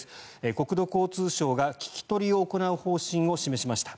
国土交通省が聞き取りを行う方針を示しました。